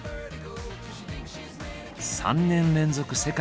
３年連続世界